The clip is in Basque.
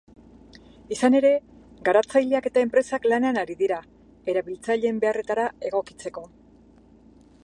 Izan ere, garatzaileak eta enpresak lanean ari dira, erabiltzaileen beharretara egokitzeko.